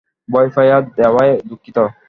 ভয় পাইয়ে দেওয়ায় দুঃখিত।